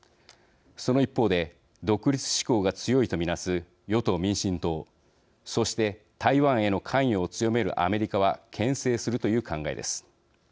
その一方で、独立志向が強いと見なす与党・民進党そして、台湾への関与を強めるアメリカはけん制するという考えです。